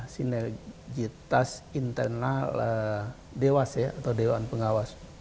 sinergitas internal dewasa atau dewan pengawas